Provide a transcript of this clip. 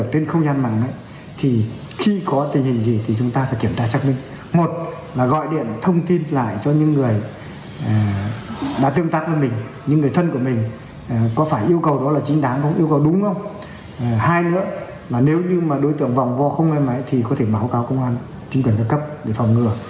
đối tượng vòng vò không ngay máy thì có thể báo cáo công an chính quyền cấp để phòng ngừa